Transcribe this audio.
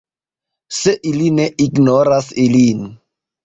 Se ili ne ignoras ilin.